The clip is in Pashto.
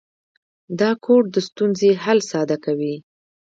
دا کوډ د ستونزې حل ساده کوي.